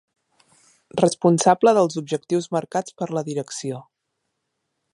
Responsable dels objectius marcats per la direcció.